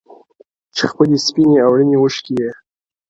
چي خپلي سپيني او رڼې اوښـكي يې؛